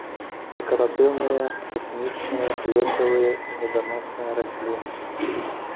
Дэкаратыўныя, тэхнічныя, лекавыя і меданосныя расліны.